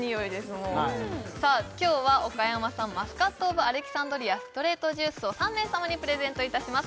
もうさあ今日は岡山産マスカットオブアレキサンドリアストレートジュースを３名様にプレゼントいたします